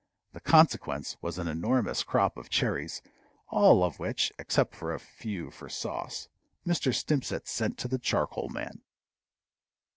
The consequence was an enormous crop of cherries, all of which, except a few for sauce, Mr. Stimpcett sent to the charcoal man.